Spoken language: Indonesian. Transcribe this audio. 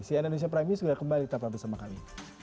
si indonesia prime news sudah kembali tetap bersama kami